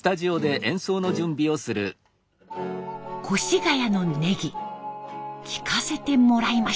「越谷の葱」聴かせてもらいました。